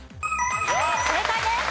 正解です。